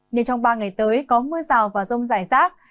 nhưng trong ba ngày tới có mưa rào và rông rải rác